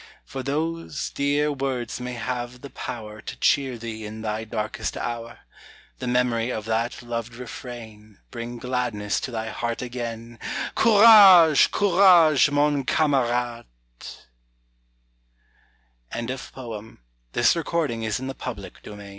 For those dear words may have the power To cheer thee in thy darkest hour; The memory of that loved refrain Bring gladness to thy heart again! Courage! courage, mon camarade! HENRY AMES BLOOD. V. DEATH AND BEREAVEMENT.